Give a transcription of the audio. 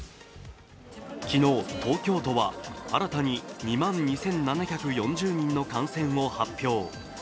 昨日、東京都は新たに２万２７４０人の感染を発表。